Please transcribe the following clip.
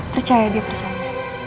percaya dia percaya